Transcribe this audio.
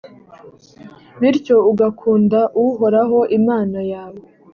bityo ugakunda uhoraho imana yawe